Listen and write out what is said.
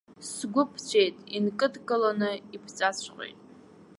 Сгәы ԥҵәеит, инкыдкыланы иԥҵәаҵәҟьеит.